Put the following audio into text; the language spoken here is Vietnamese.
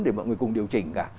để mọi người cùng điều chỉnh cả